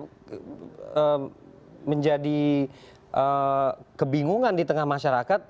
jadi ini juga menjadi kebingungan di tengah masyarakat